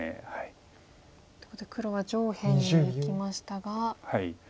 ということで黒は上辺にいきましたが。